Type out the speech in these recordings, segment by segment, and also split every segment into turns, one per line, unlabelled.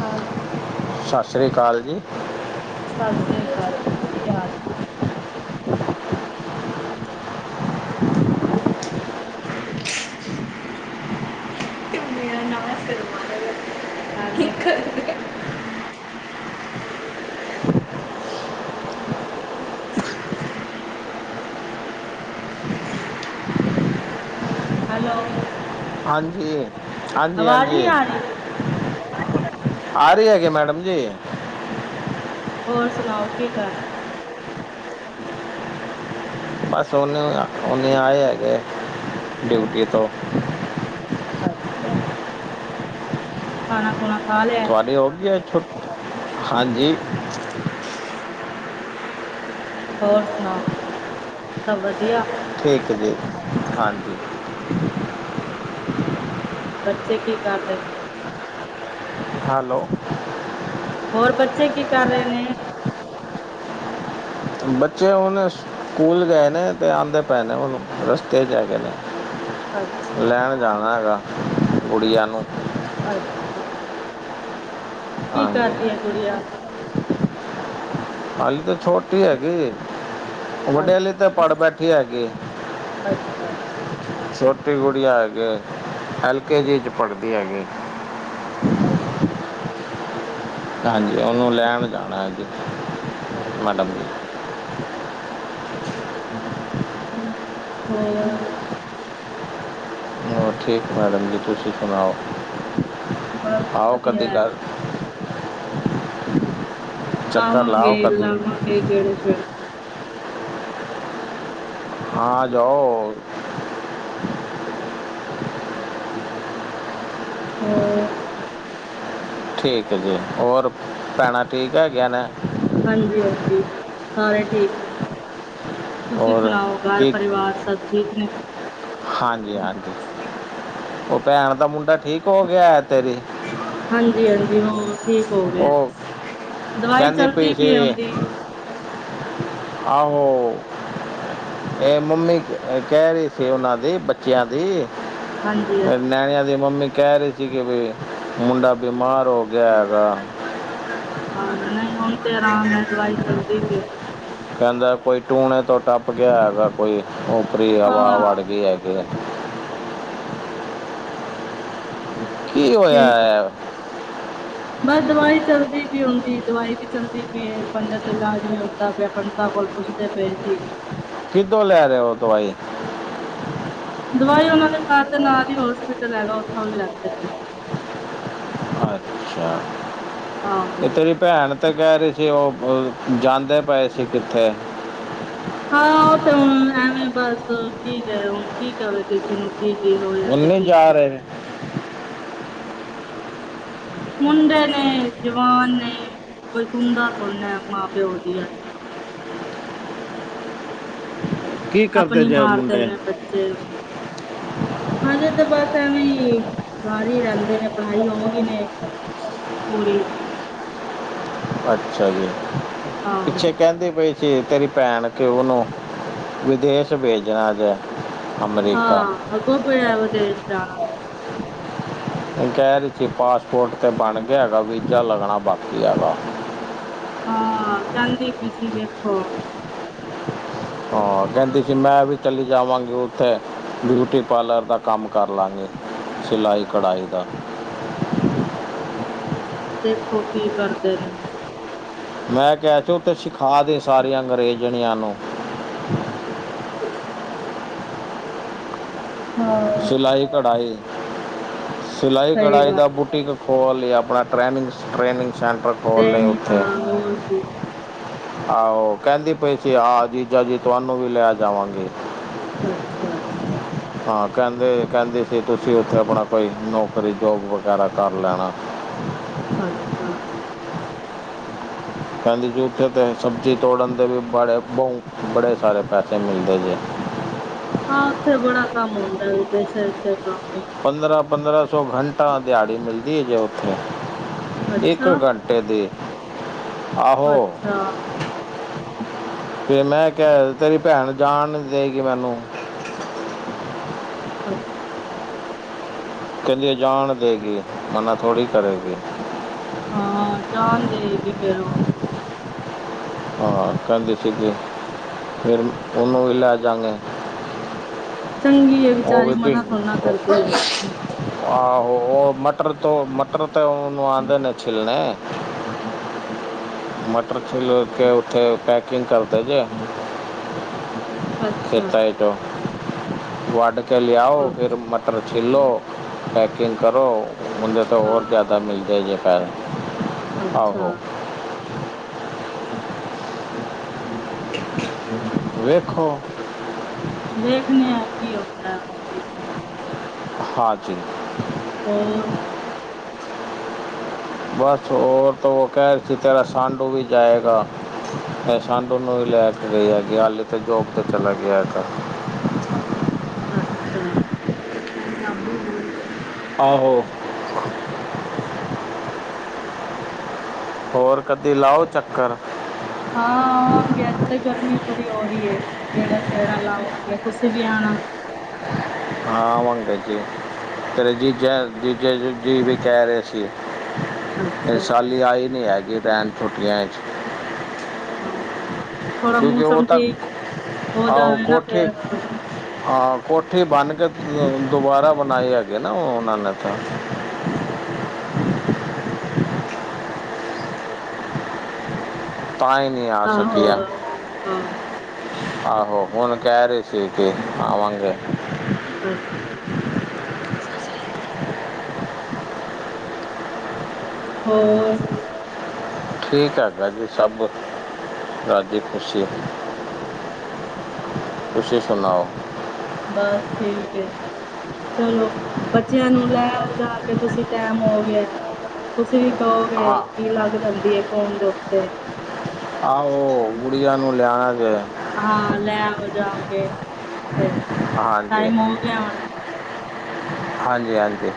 Hello ਓ
ਸਸਰੀ ਕਾਲ ਜੀ
ਸਸਰੀ ਕਾਲ ਜੀ ਕੀ ਹਾਲ ਆ [inaudible]
ਮੈਂ ਹਾਂ ਸਿਰ ਬਨ ਲੈ
ਹੈਲੋ
ਕੀ ਕਰਨ ਦੇ ਏ [inaudible]
ਹੈਲੋ ਓ
ਹਾਂਜੀ ਈ ਹਾਂਜੀ ਈ
ਆਵਾਜ਼
ਹਾਂਜੀ
ਨਹੀਂ
ਈ
ਆ ਰਹੀ
ਆ ਰਈ ਹੈਗੀ ਮੈਡਮ ਜੀ ਈ
ਹੋਰ ਸੁਣਾਓ ਕੀ ਕਰ ਰਹੇ ਏ
ਬਸ ਓਨੇ ਓਨੇ ਆਏ ਹੈਗੇ ਏ
ਹਾਂਜੀ ਈ ਅੱਛਾ ਆ ਖਾਣਾ ਖੁਣਾ ਖਾ ਲਿਆ ਐ
ਤੁਹਾਡੇ ਹੋ ਗੀ ਏ ਛੁੱਟੀ ਈ ਹਾਂਜੀ ਈ
ਹੋਰ ਸੁਣਾਓ ਸਭ ਵਧੀਆ
ਠੀਕ ਈ ਜੀ ਹਾਂਜੀ
ਬੱਚੇ ਕੀ ਕਰ ਰਹੇ ਏ
ਹੈਲੋ ਓ
ਹੋਰ ਬੱਚੇ ਕੀ ਕਰ ਰਹੇ ਨੇ ਏ
ਬੱਚੇ ਹੁਣ ਸ ਸਕੂਲ ਗਏ ਨੇ ਤੇ ਆਦੇ ਪਏ ਨੇ ਉਹਨੂੰ ਰਸਤੇ ਚ ਹੈਗੇ ਏ ਨੇ
ਅੱਛਾ
ਲੈਣ ਜਾਣਾ ਹੈਗਾ ਗੁਡੀਆਂ ਨੂੰ
ਅੱਛਾ ਆ ਕੀ
ਹਾਂਜੀ
ਕਰਦੀਆ ਗੁਡੀਆਂ
ਹਲੀ ਤੇ ਛੋਟੀ ਹੈਗੀ ਈ
ਅੱਛਾ
ਵੱਡੇ ਆਲੇ ਏ ਉਹ ਤੇ ਪੜ੍ਹ ਬੈਠੇ ਹੈਗੇ ਏ
ਅੱਛਾ
ਛੋਟੀ ਗੁੜੀਆ ਹੈਗੇ ਏ ਐਲ ਕੇ ਜੀ ਚ ਪੜ੍ਹਦੀ ਹੈਗੀ ਈ
ਆ ਜ ਆ
ਹਾਂਜੀ ਓਨੂੰ ਲੈਣ ਜਾਣਾ ਅੱਜ, ਮੈਡਮ ਜੀ।
ਹੋਰ
ਹੋਰ ਠੀਕ ਮੈਡਮ ਜੀ, ਤੁਸੀਂ ਸੁਨਾਓ
ਬਸ
ਆਓ ਕਦੀ ਘਰ। ਚੱਕਰ
ਆਵਗੇ,
ਲਾਓ ਕਦੀ
ਲਾਵਾਂਗੇ ਗੇੜਾ ਸ਼ੇੜਾ।
ਆਂ ਜਾਓ।
ਹੋਰ
ਠੀਕ ਐ ਜੀ, ਹੋਰ ਭੈਣਾਂ ਠੀਕ ਹੈਗੀਆਂ ਨੇ?
ਹਾਂਜੀ-ਹਾਂਜੀ ਸਾਰੇ ਠੀਕ ਨੇ। ਤੁਸੀਂ
ਔਰ
ਸੁਣਾਓ ਘਰ ਪਰਿਵਾਰ ਸਭ ਠੀਕ ਨੇ।
ਹਾਂਜੀ-ਹਾਂਜੀ ਓ ਭੈਣ ਦਾ ਮੁੰਡਾ ਠੀਕ ਹੋ ਗਯਾ ਤੇਰੀ
ਹਾਂਜੀ ਹਾਂਜੀ ਉਹ ਠੀਕ ਹੋ ਗਏ
ਓ
ਆ ਦਵਾਈ
ਕੈਂਦੀ ਪਈ
ਚਲਦੀ
ਸੀ
ਹੁੰਦੀ
ਆਹੋ, ਐ ਮੰਮੀ ਐ ਕੈ ਰੀ ਸੀ ਓਨਾਂ ਦੀ ਬੱਚੇਆਂ ਦੀ,
ਹਾਂਜੀ ਹਾਂਜੀ
ਨਿਆਣਿਆਂ ਦੀ ਮੰਮੀ ਕੈ ਰੀ ਸੀ ਕਿ ਵੀ ਮੁੰਡਾ ਬਿਮਾਰ ਹੋ ਗਯਾ ਹੈਗਾ।
ਹਾਂ ਨਈ ਹੁਨ ਤੇ ਆਰਾਮ ਐ, ਦਵਾਈ ਚੱਲਦੀ ਪਈ ਓਦੀ।
ਕੈਂਦਾ ਕੋਈ ਟੂਣੇ ਤੋਂ ਟੱਪ ਗਯਾ ਹੈਗਾ ਕੋਈ, ਉਪਰੀ ਹਵਾ ਵੜ
ਹਾਂ
ਗੀ ਹੈਗੀ ਐ। ਕੀ ਹੋਏਆ ਐ?
ਹਮ ਬਸ ਦਵਾਈ ਚੱਲਦੀ ਪਈ ਉਂਦੀ, ਦਵਾਈ ਵੀ ਚਲਦੀ ਪਈ ਏ, ਪੰਡਿਤ ਦਾ ਇਲਾਜ ਵੀ ਹੁੰਦਾ ਪਯਾ, ਪੰਡਿਤਾਂ ਕੋਲ ਪੁੱਛਦੇ ਪਏ ਸੀ।
ਕਿੱਦੋ ਲੈ ਰੇ ਓ ਦਵਾਈ?
ਦਵਾਈ ਓਨਾਂ ਦੇ ਘਰ ਦੇ ਨਾਲ ਈ ਹੋਸਪਿਟਲ ਹੈਗਾ ਓਥੋਂ ਵੀ ਲੈਂਦੇ ਨੇ। ਆਹੋ
ਤੇ ਤੇਰੀ ਭੈਣ ਤੇ ਕੈ ਰੀ ਸੀ ਓ ਜਾਂਦੇ ਪਏ ਸੀ ਕਿੱਥੇ।
ਹਾਂ ਓ ਤੇ ਹੁਨ ਐਵੇਂ ਬਸ ਠੀਕ ਐ ਹੁਨ ਕੀ ਕਵੇ ਕਿਸੀ ਨੂੰ। ਕੀ ਕੀ ਹੋਏਆ
ਉਹ
ਤੇ
ਨਹੀਂ
ਕੀ ਨੀ
ਜਾ
ਹੋਏਆ।
ਰਹੇ
[inaudible] ਮੁੰਡੇ ਨੇ, ਜਵਾਨ ਨੇ ਕੋਈ ਸੁੁਨਦਾ ਥੋੜੀ ਨਾ ਐ ਮਾਂ ਪਿਓ ਦੀ ਅੱਜ। ਕੱਲ
ਕੀ ਕਰਦੇ
ਅਪਨੀ
ਜੇ ਉਹ
ਮਾਰਦੇ
ਮੁੰਡੇ
ਨੇ ਬੱਚੇ। ਹਾਲੇ ਤੇ ਬਸ ਐਵੇਂ ਹੀ ਘਰ ਈ ਰੈਂਦੇ ਨੇ ਪੜ੍ਹਾਈ ਹੋਗੀ ਨੇ। ਪੂਰੀ
ਅੱਛਾ ਜੀ,
ਆਹੋ
ਪਿੱਛੇ ਕੈਂਦੀ ਪਈ ਕਿ ਤੇਰੀ ਭੈਣ ਕਿ ਓਨੂੰ ਵਿਦੇਸ਼ ਭੇਜਣਾ ਜੇ ਅਮਰੀਕਾ
ਹਾਂ ਅੱਗੋਂ ਪਯਾ ਵਦੇਸ਼ ਜਾਣਾ।
ਨੀ ਕੈ ਰੀ ਸੀਂ ਪਾਸਪੋਰਟ 'ਤੇ ਬਣ ਗਯਾ ਹੈਗਾ ਵੀਜ਼ਾ ਲੱਗਣਾ ਬਾਕੀ ਹੈਗਾ।
ਹਾਂ ਕੈਂਦੀ ਪਈ ਸੀ ਵੇਖੋ ਹੁਣ।
ਹਾਂ ਕੈਂਦੀ ਸੀ ਮੈਂ ਵੀ ਚੱਲੀ ਜਾਵਾਂਗੀ ਉੱਥੇ ਬਿਊਟੀ ਪਾਰਲਰ ਦਾ ਕੰਮ ਕਰ ਲਾਂਗੀ, ਸਿਲਾਈ ਕਢਾਈ ਦਾ।
ਦੇਖੋ ਕੀ ਕਰਦੇ ਨੇ।
ਮੈਂ ਕਯਾ ਸੀ ਓਥੇ ਸਿਖਾਂ ਦੇ ਸਾਰੀਆਂ ਅੰਗਰੇਜ਼ਣੀਆਂ ਨੂੰ।
[inaudible] ਹਾਂ
ਸਿਲਾਈ ਕਢਾਈ, ਸਿਲਾਈ
ਸਹੀ
ਕਢਾਈ ਦਾ
ਗੱਲ ਹੈ
ਬੂਟੀਕ ਖੋਲ ਲੀ ਆਪਣਾ ਟ੍ਰੈਨਿੰਗ, ਟ੍ਰੇਨਿੰਗ ਸੈਂਟਰ ਖੋਲ
ਤੇ
ਲੀ
ਹਾਂ
ਓਥੇ।
ਹੋਰ ਕੀ
ਆਹੋ ਕੈਂਦੀ ਪਈ ਸੀ ਹਾਂ ਜੀਜਾ ਜੀ ਤੁਆਨੂੰ ਵੀ ਲੈ ਜਾਵਾਂਗੀ।
ਅੱਛਾ-ਅੱਛਾ।
ਹਾਂ। ਕਹਿੰਦੇ, ਕਹਿੰਦੇ ਸੀ ਤੁਸੀਂ ਉੱਥੇ ਆਪਣਾ ਕੋਈ, ਨੌਕਰੀ -ਜੋਬ ਵਗੈਰਾ ਕਰ ਲੈਣਾ।
ਅੱਛਾ।
ਕਹਿੰਦੀ ਸੀ ਉਥੇ ਤੇ ਸਬਜ਼ੀ ਤੋੜਨ ਦੇ ਵੀ ਬੜੇ ਭੋਉ, ਬੜੇ ਸਾਰੇ ਪੈਸੇ ਮਿਲਦੇ ਜੇ।
ਹਾਂ, ਉੱਥੇ ਬੜਾ ਕੰਮ ਹੁੰਦਾ ਵਿਦੇਸ਼ਾਂ ਚ ਕੰਮ ਈ ਏ।
ਪੰਦਰਾਂ- ਪੰਦਰਾਂ ਸੌ ਘੰਟਾ ਦਿਹਾੜੀ ਮਿਲਦੀ ਹੈ ਜੇ ਉੱਥੇ, ਇੱਕ
ਅੱਛਾ
ਘੰਟਾ ਦੀ, ਆਹੋ,
ਅੱਛਾ
ਪੇ ਮੈਂ ਕਿ ਤੇਰੀ ਭੈਣ ਜਾਣ ਦੇਗੀ ਮੈਨੂੰ।
ਅੱਛਾ।
ਕਹਿੰਦੀਵਆ‌ ਜਾਣ ਦੇਗੀ, ਮਨਾ ਥੋੜੀ ਕਰੇਗੀ।
ਹਾਂ, ਜਾਣ ਦੇਏਗੀ ਫੇਰ ਉਹ।
ਹਾਂ, ਕਹਿੰਦੀ ਸੀਗੀ
[inaudible]
ਫਿਰ ਉਹਨੂੰ ਵੀ ਲੈ ਜਾਂਗਾ।
ਚੰਗੀ ਹੈ
ਓ
ਵਿਚਾਰੀ
ਬੀਬੀ,
ਮਨਾ ਥੋੜ੍ਹਾ ਨਾ ਕਰਦੀ ਹੈ
ਆਹੋ ਉਹ ਮਟਰ ਤੋਂ ਮਟਰ ਉਹਨੂੰ ਆਂਦੇ ਨੇ ਛਿੱਲਨੇ। ਮਟਰ ਛਿੱਲ ਕੇ ਉੱਥੇ ਪੈਕਿੰਗ ਕਰਦੇ ਜੇ,
ਅੱਛਾ
ਤੇ ਦੋ [inaudible] ਕੇ ਲਿਆਓ,
ਅੱਛਾ
ਫਿਰ
ਅੱਛਾ
ਮਟਰ ਛਿੱਲੋ, ਪੈਕਿੰਗ ਕਰੋ। ਮ ਤੇ ਹੋਰ ਜ਼ਿਆਦਾ
ਹਾਂ
ਮਿਲ਼ਦੇ ਜੇ ਪੈਹੈ, ਆਹੋ।
ਅੱਛਾ ਅੱਛਾ
ਵੇਖੋ।
ਵੇਖਣੇ ਆ ਕੀ ਹੁੰਦਾ ਅੱਗੇ।
ਹਾਂਜੀ।
ਹੋਰ?
ਬਸ ਹੋਰ ਤਾਂ ਉਹ ਕਹਿ ਰਹੀ ਸੀ ਤੇਰਾ ਸਾਂਢੂ ਵੀ ਜਾਏਗਾ। ਇਹ ਸਾਢੂ ਵੀ ਲੈ ਕੇ ਗਈ ਹੈਗੀ, ਹਾਲੇ ਤੇ ਜੋਬ ਤੇ ਚਲਾ ਗਿਆ ਹੈਗਾ।
ਅੱਛਾ।
ਆਹੋ। ਹੋਰ ਕਦੇ ਲਾਓ ਚੱਕਰ।
ਹਾਂ, ਆਵਾਂਗੇ, ਅੱਜ ਤੇ ਗਰਮੀ ਬੜੀ ਹੋ ਰਹੀ ਏ। ਗੇੜਾ- ਸ਼ੇੜਾ ਲਾਵਾਂਗੇ। ਤੁਸੀਂ ਵੀ ਆਣਾ?
ਹਾਂ ਆਵਾਂਗੇ ਜੀ। ਤੇਰਾ ਜੀਜਾ - ਜੀਜਾ ਜੀ ਵੀ ਕਹਿ ਰਹੇ
ਅੱਛਾ
ਸਾਲੀ ਆਈ ਨਹੀਂ ਹੈਗੀ ਰਹਿਣ ਛੁੱਟੀਆਂ 'ਚ।
ਹਾਂ। ਥੋੜਾ
ਕਿਉਂਕਿ ਉਹ
ਮੌਸਮ
ਤਾਂ
ਠੀਕ ਹੋ
ਆਹੋ
ਜਾਵੇ ਨਾ
ਕੋਠੀ
ਫਿਰ ਆਵਾਂਗੇ।
ਹਾਂ, ਕੋਠੀ ਬੰਨ ਕੇ ਦੁਬਾਰਾ ਬਣਾਈ ਹੈਗੇ ਨਾ ਉਹਨਾਂ ਨੇ ਤਾਂ। ਤਾਂਹੀ ਨੀ ਆ
ਆਹੋ
ਸਕਿਆ।
ਹਾਂ
ਆਹੋ, ਹੁਣ ਕਹਿ ਰਹੀ ਸੀ ਕਿ ਆਵਾਂਗੇ।
ਅੱਛਾ। ਹੋਰ!
ਠੀਕ ਆ ਜੀ ਸਭ, ਰਾਜ਼ੀ -ਖੁਸ਼ੀ। ਤੁਸੀ ਸੁਣਾਓ।
ਬਸ ਠੀਕ ਏ। ਚਲੋ, ਬੱਚਿਆਂ ਨੂੰ ਲੈ ਆਓ ਜਾ ਕੇ ਤੁਸੀਂ, ਟੈਮ ਹੋ ਗਿਆ। ਤੁਸੀਂ ਵੀ ਕਹੋਗੇ,
ਹਾਂ
ਕੀ ਲੱਗ ਜਾਂਦੀ ਐ ਫੋਨ ਦੇ ਉੱਤੇ।
ਆਹੋ ਗੁੜੀਆਂ ਨੂੰ ਲਿਆਣਾ ਜੇ।
ਹਾਂ, ਲੈ ਆਵੋ ਜਾਕੇ ਫਿਰ,
ਹਾਂਜੀ
ਟਾਈਮ ਹੋਗਿਆ ਹੋਣਾ।
ਹਾਂਜੀ-ਹਾਂਜੀ।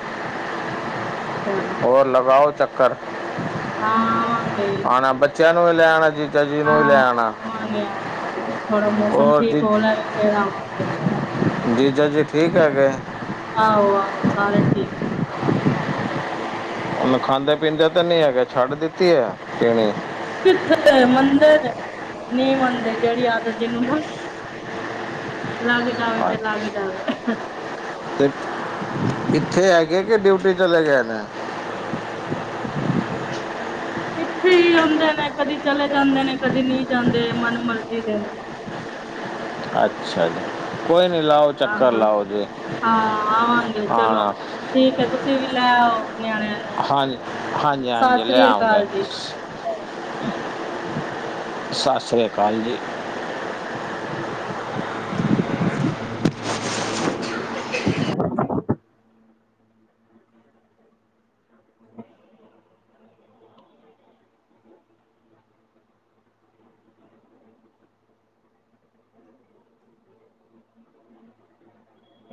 ਚਲੋ
ਹੋਰ ਲਗਾਓ, ਚੱਕਰ
ਹਾਂ ਆਵਾਂਗੇ,
ਆਣਾ ਬੱਚਿਆਂ ਨੂੰ ਵੀ ਲੈ ਆਉਣਾ ਜੀਜਾ ਜੀ ਨੂੰ
ਹਾਂ
ਵੀ ਲੈ ਆਉਣਾ
ਆਵਾਂਗੇ-ਆਵਾਂਗੇ। ਥੋੜਾ ਮੌਸਮ
ਹੋਰ
ਠੀਕ
ਜੀ
ਹੋ ਲੈਵੇ, ਫਿਰ ਆਵਾਂਗੇ।
ਜੀਜਾ ਜੀ, ਠੀਕ ਹੈਗੇ?
ਆਹੋ-ਆਹੋ ਸਾਰੇ ਠੀਕ। ਨੇ
ਹੁੰਨ ਖਾਂਦੇ-ਪੀਂਦੇ ਤੇ ਨਹੀਂ ਹੈਗੇ, ਛੱਡ ਦਿੱਤੀ ਹੈ ਪੀਣੀ?
ਕਿੱਥੇ ਮੰਨਦੇ ਨੇ, ਨਹੀਂ ਮੰਨਦੇ, ਜਿਹੜੀ ਆਦਤ ਜਿਹਨੂੰ ਨਾ ਲੱਗ ਜਾਵੇ, ਤੇ ਲੱਗ ਜਾਵੇ।
ਤੇ ਇੱਥੇ ਹੈਗੇ, ਕਿ ਡਿਊਟੀ ਚਲੇ ਗਏ ਨੇ?
[inaudible] ਇੱਥੇ ਹੀ ਹੁੰਦੇ ਨੇ, ਕਦੇ ਚਲੇ ਜਾਂਦੇ ਨੇ, ਕਦੀ ਨਹੀਂ ਜਾਂਦੇ, ਮਨ ਮਰਜੀ ਦੇ ਨੇ।
ਅੱਛਾ ਜੀ, ਕੋਈ ਨੀ ਲਾਓ ਚੱਕਰ
ਆਹੋ
ਲਾਓ ਜੀ,
ਹਾਂ ਆਵਾਂਗੇ ਚਲੋ
ਆ।
ਠੀਕ ਹੈ ਤੁਸੀਂ ਵੀ ਲੈ ਆਓ ਨਿਆਣਿਆਂ ਨੂੰ
ਹਾਂਜੀ-ਹਾਂਜੀ, ਹਾਂਜੀ
ਸਤਿ ਸ੍ਰੀ
ਲਿਆਂਓਗੇ।
ਅਕਾਲ ਜੀ
ਸਸ ਸ੍ਰੀ ਕਾਲ ਜੀ।
[unintelligible] [unintelligible]